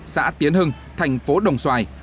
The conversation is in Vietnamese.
xã tiến hưng thành phố đồng xoài